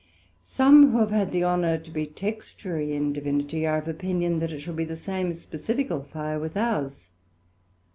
Some who have had the honour to be textuary in Divinity, are of opinion it shall be the same specifical fire with ours.